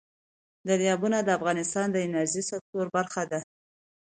دریابونه د افغانستان د انرژۍ سکتور برخه ده.